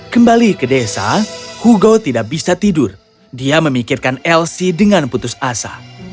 kembali ke desa hugo tidak bisa tidur dia memikirkan elsie dengan putus asa